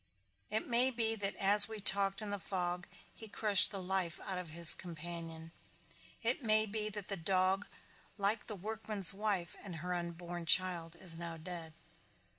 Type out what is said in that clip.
It may be that as we talked in the fog he crushed the life out of his companion. It may be that the dog like the workman's wife and her unborn child is now dead.